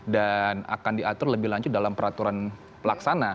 dan akan diatur lebih lanjut dalam peraturan pelaksana